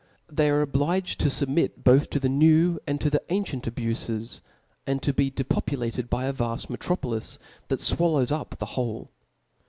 I'hey are obliged tofub mit both to the new and to the ancient abufes ; and to be depopulated by a vaft metropolis that fwallows up the whole.